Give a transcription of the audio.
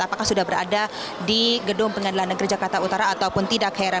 apakah sudah berada di gedung pengadilan negeri jakarta utara ataupun tidak hera